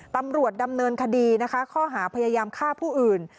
ตำรวจดำเนินคดีนะคะข้อหาพยายามฆ่าผู้อื่น